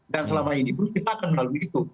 dan selama ini pun kita akan lalui itu